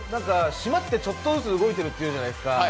島ってちょっとずつ動いてるっていうじゃないですか。